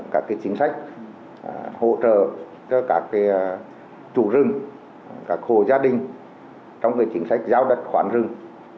các cái chính sách hỗ trợ cho các chủ rừng các khổ gia đình trong cái chính sách giao đặt khoản rừng